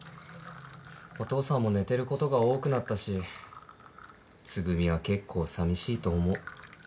お父さんも寝てることが多くなったしつぐみは結構さみしいと思う。